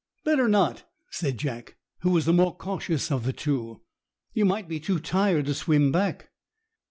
"Better not," said Jack, who was the more cautious of the two. "You might be too tired to swim back."